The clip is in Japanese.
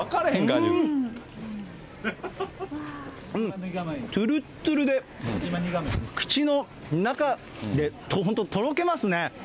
うん、とぅるっとぅるで、口の中で本当、とろけますね。